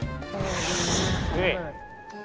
นี่